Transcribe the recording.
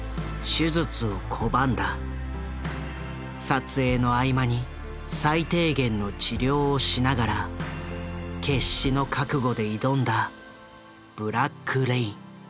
撮影の合間に最低限の治療をしながら決死の覚悟で挑んだ「ブラック・レイン」。